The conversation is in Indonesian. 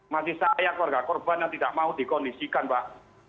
masih saya keluarga korban yang tidak mau dikondisikan mbak